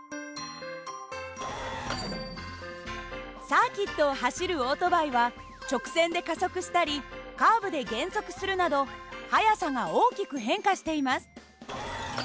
サーキットを走るオートバイは直線で加速したりカーブで減速するなど速さが大きく変化しています。